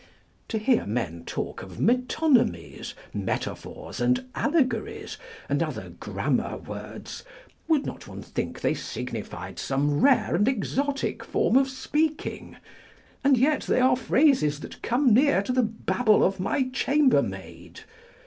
To hear men talk of metonomies, metaphors, and allegories, and other grammar words, would not one think they signified some rare and exotic form of speaking? And yet they are phrases that come near to the babble of my chambermaid.